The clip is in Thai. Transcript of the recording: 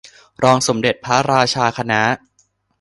รองสมเด็จพระราชาคณะ